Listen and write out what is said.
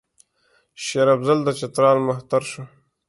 شېر افضل د چترال مهتر شو.